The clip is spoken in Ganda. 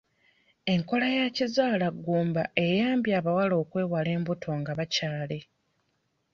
Enkola y'ekizaala ggumba eyambye abawala okwewala embuto nga bakyaali.